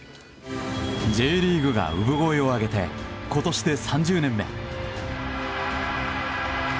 Ｊリーグが産声を上げて今年で３０年目。